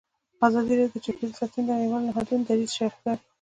ازادي راډیو د چاپیریال ساتنه د نړیوالو نهادونو دریځ شریک کړی.